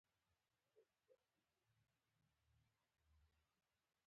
د ټېکنالوجۍ پرمختګ او تکامل